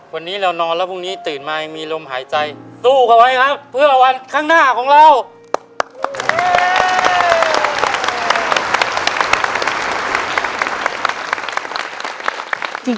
วันนี้เรานอนแล้วพรุ่งนี้ตื่นมายังมีลมหายใจสู้เขาไว้ครับเพื่อวันข้างหน้าของเรา